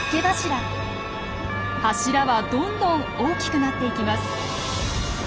柱はどんどん大きくなっていきます。